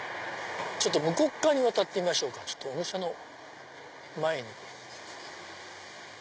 向こう側に渡ってみましょうかお店の前に。